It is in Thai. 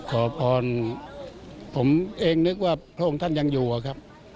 ขอพรผมเองนึกว่าพระองค์ท่านยังอยู่อะครับ